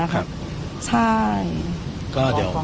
ครับ